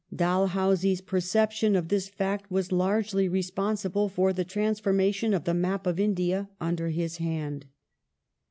Dalhousie's perception of this fact was largely responsible for the transforma tion of the map of India under his hand.